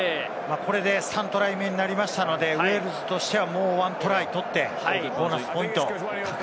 これで３トライ目になりましたので、ウェールズとしてはもう１トライとって、ボーナスポイント。